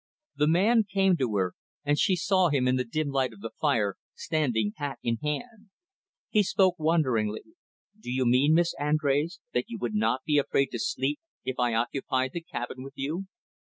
The man came to her and she saw him in the dim light of the fire, standing hat in hand. He spoke wonderingly. "Do you mean, Miss Andrés, that you would not be afraid to sleep, if I occupied the cabin with you?"